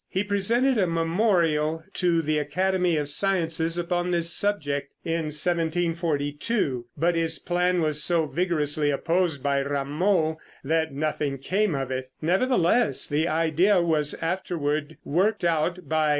He presented a memorial to the Academy of Sciences upon this subject in 1742, but his plan was so vigorously opposed by Rameau that nothing came of it; nevertheless the idea was afterward worked out by M.